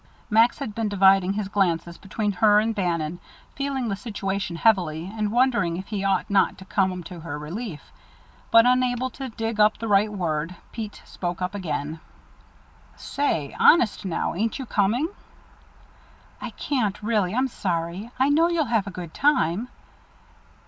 Max had been dividing his glances between her and Bannon, feeling the situation heavily, and wondering if he ought not to come to her relief, but unable to dig up the right word. Pete spoke up again: "Say, honest now, ain't you coming?" "I can't really. I'm sorry. I know you'll have a good time."